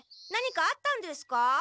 何かあったんですか？